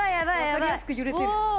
わかりやすく揺れてる。